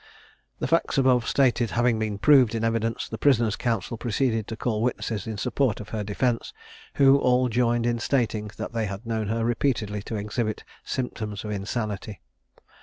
The facts above stated having been proved in evidence, the prisoner's counsel proceeded to call witnesses in support of her defence, who all joined in stating, that they had known her repeatedly to exhibit symptoms of insanity.